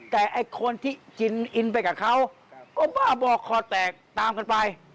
แต่ไอ้คนที่กินอินไปกับเขาก็บ้าบอกคอแตกตามกันไป